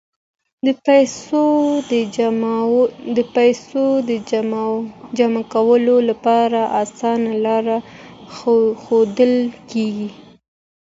د پیسو د جمع کولو لپاره اسانه لارې ښودل کیږي.